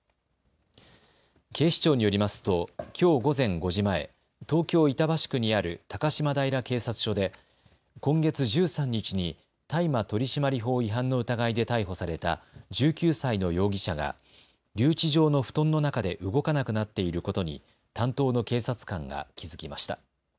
警視庁によりますときょう午前５時前、東京板橋区にある高島平警察署で今月１３日に大麻取締法違反の疑いで逮捕された１９歳の容疑者が留置場の布団の中で動かなくなっていることに担当の警察官が気付きました。